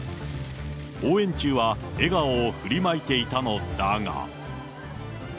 応援中は笑顔を振りまいていたのだが。